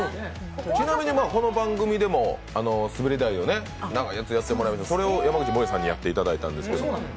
ちなみにこの番組でも滑り台を長いやつをやっていただきまして、それを山口もえさんにやっていただいたんですけど。